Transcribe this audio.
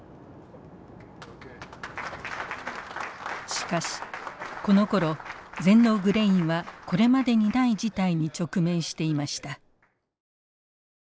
しかしこのころ全農グレインはこれまでにない事態に直面していました。